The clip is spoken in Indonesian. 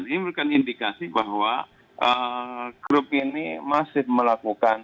ini merupakan indikasi bahwa grup ini masih melakukan